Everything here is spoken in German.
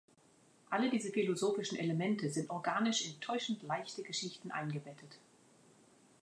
Alle diese philosophischen Elemente sind organisch in täuschend „leichte“ Geschichten eingebettet.